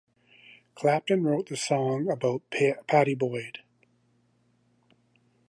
Clapton wrote the song about Pattie Boyd.